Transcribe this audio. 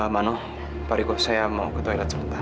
mano pari kok saya mau ke toilet sebentar